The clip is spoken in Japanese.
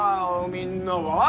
みんなは？